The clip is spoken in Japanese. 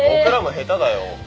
僕らも下手だよ。